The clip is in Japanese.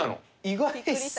意外です。